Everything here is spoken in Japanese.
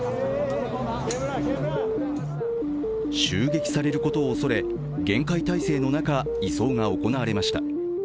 襲撃されることを恐れ、厳戒態勢の中、移送が行われました。